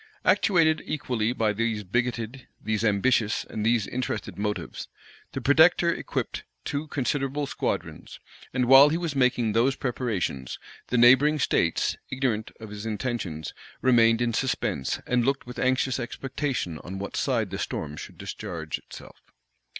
Actuated equally by these bigoted, these ambitious, and these interested motives, the protector equipped two considerable squadrons; and while he was making those preparations, the neighboring states, ignorant of his intentions, remained in suspense, and looked with anxious expectation on what side the storm should discharge itself.